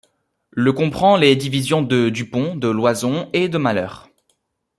Le comprend les divisions de Dupont, de Loison et de Mahler.